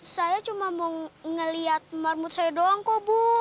saya cuma mau ngeliat marmut saya doang kok bu